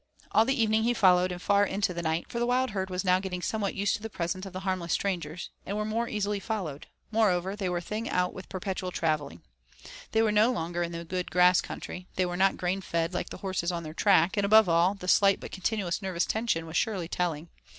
All the evening he followed, and far into the night, for the wild herd was now getting somewhat used to the presence of the harmless strangers, and were more easily followed; moreover, they were tiring out with perpetual traveling. They were no longer in the good grass country, they were not grain fed like the horses on their track, and above all, the slight but continuous nervous tension was surely telling.